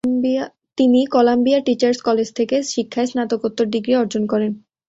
তিনি Columbia Teachers College থেকে শিক্ষায় স্নাতকোত্তর ডিগ্রি অর্জন করেন।